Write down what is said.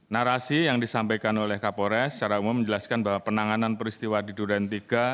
narasi yang disampaikan oleh kapolres secara umum menjelaskan bahwa penanganan peristiwa di duren tiga